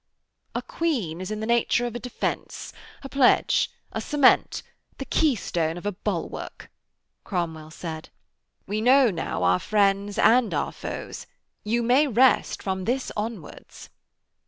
'A Queen is in the nature of a defence, a pledge, a cement, the keystone of a bulwark,' Cromwell said. 'We know now our friends and our foes. You may rest from this onwards.'